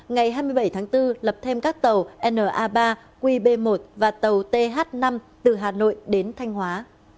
ngày hai mươi bảy tháng bốn lập thêm các tàu na ba qb một và tàu th năm từ hà nội đến thanh hóa